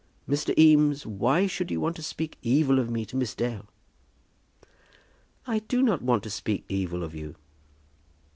Mr. Eames, why should you want to speak evil of me to Miss Dale?" "I do not want to speak evil of you."